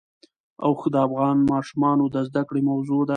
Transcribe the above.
اوښ د افغان ماشومانو د زده کړې موضوع ده.